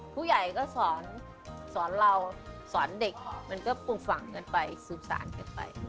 คุณใหญ่ก็สอนสอนเราสอนเด็กมันก็พรุ่งฝั่งกันไปซึบสานไป